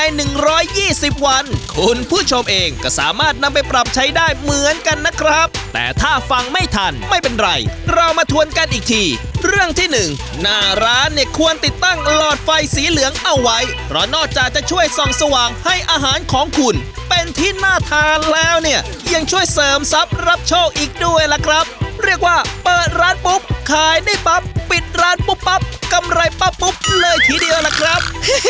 หนึ่งชุดแล้วก็บ่อยมากเลยครับเพราะฉะนั้นตามสี่เดือนก็เปลี่ยนทางแล้วครับ